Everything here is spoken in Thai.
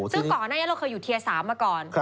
ซึ่งก่อนหน้านี้เราเคยอยู่เทียร์๓มาก่อน